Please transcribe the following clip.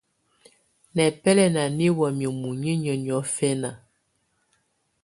Nɛ̀bɛlɛnà nɛ̀ wamɛ̀á muninyǝ́ niɔ̀fɛna.